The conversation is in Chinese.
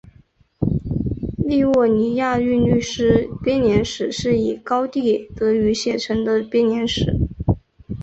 利沃尼亚韵律诗编年史是以高地德语写成的编年史。